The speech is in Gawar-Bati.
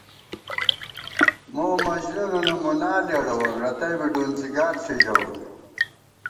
مومجنُونَنہ مُنا لېڑَوون، رتئ بی ڈُنڅی گال ݪی ژَوون